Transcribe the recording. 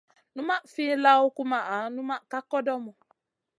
Numaʼ fi lawn kumaʼa numa ka kodomu.